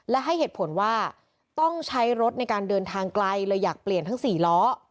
และให้เหตุผลว่าต้องใช้รถในการเดินทางไกลเลยอยากเปลี่ยนทั้ง๔ล้อ